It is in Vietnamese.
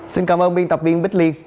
xin cảm ơn biên tập viên bích liên